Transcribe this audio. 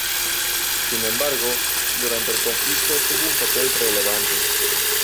Sin embargo, durante el conflicto tuvo un papel relevante.